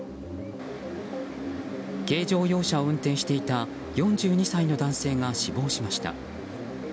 軽乗用車を運転していた４２歳の男性が死亡しました。